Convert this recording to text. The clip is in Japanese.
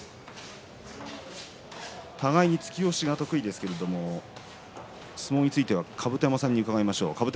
互いに突き押しが得意ですけれど相撲については甲山さんに伺いましょう。